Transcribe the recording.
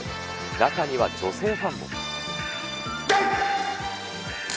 中には女性ファンも。